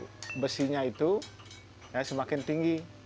kalau semakin tebal besinya itu itu akan menjadi gamelan selonding